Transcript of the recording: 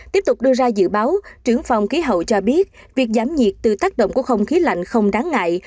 tiếp tục đưa ra dự báo trưởng phòng khí hậu cho biết việc giảm nhiệt từ tác động của không khí lạnh không đáng ngại